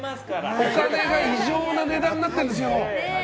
お金が異常な値段になってるんですよ。